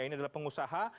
ini adalah pengusaha